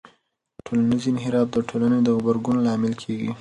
ټولنیز انحراف د ټولنې د غبرګون لامل کېږي.